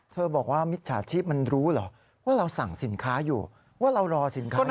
บอกว่ามิจฉาชีพมันรู้เหรอว่าเราสั่งสินค้าอยู่ว่าเรารอสินค้า